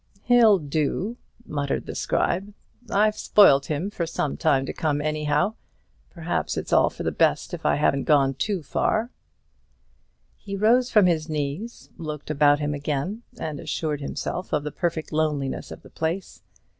"He'll do," muttered the Scribe; "I've spoiled him for some time to come, anyhow. Perhaps it's all for the best if I haven't gone too far." He rose from his knees, looked about him again, and assured himself of the perfect loneliness of the place.